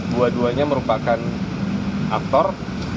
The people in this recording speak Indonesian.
dua duanya merupakan aktor